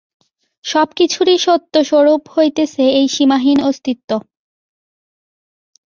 সব-কিছুরই সত্যস্বরূপ হইতেছে এই সীমাহীন অস্তিত্ব।